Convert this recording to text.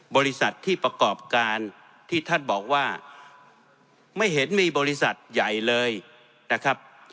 บริษัทที่ประกอบการที่ท่านบอกว่าไม่เห็นมีบริษัทใหญ่เลยนะครับ